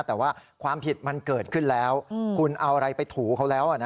แต่ว่าความผิดมันเกิดขึ้นแล้วคุณเอาอะไรไปถูเขาแล้ว